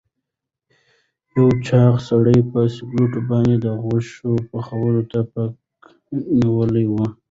یو چاغ سړي په سکروټو باندې د غوښو پخولو ته پکه نیولې وه.